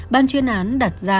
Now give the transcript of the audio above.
ban chuyên án đặt ra nhiều thông tin